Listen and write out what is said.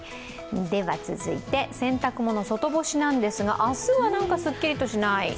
続いて洗濯物、外干しなんですが明日はなんかすっきりとしない？